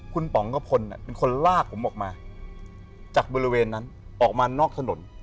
คุณป๋องกระพลเป็นคนลากผมออกมาจากบริเวณนั้นออกมานอกถนน